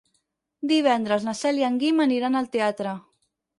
Divendres na Cel i en Guim aniran al teatre.